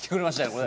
これ。